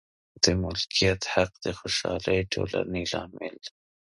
د مالکیت حق د خوشحالې ټولنې لامل دی.